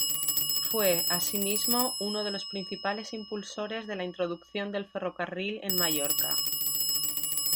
Fue, asimismo, uno de los principales impulsores de la introducción del ferrocarril en Mallorca.